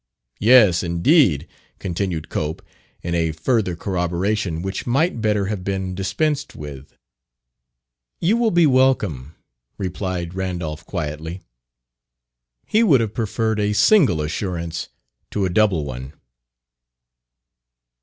"Yes, indeed," continued Cope, in a further corroboration which might better have been dispensed with. "You will be welcome," replied Randolph quietly. He would have preferred a single assurance to a double one.